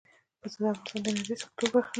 پسه د افغانستان د انرژۍ سکتور برخه ده.